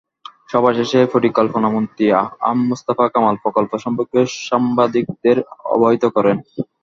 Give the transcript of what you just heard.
সভাশেষে পরিকল্পনামন্ত্রী আ হ ম মুস্তফা কামাল প্রকল্প সম্পর্কে সাংবাদিকদের অবহিত করেন।